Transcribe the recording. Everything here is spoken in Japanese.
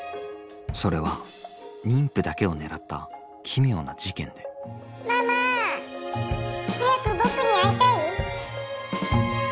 それは妊婦だけを狙った奇妙な事件で「ママ早く僕に会いたい？」。